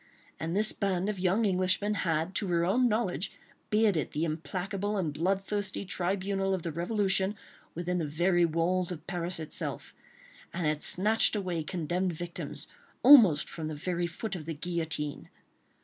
And this band of young Englishmen had, to her own knowledge, bearded the implacable and bloodthirsty tribunal of the Revolution, within the very walls of Paris itself, and had snatched away condemned victims, almost from the very foot of the guillotine.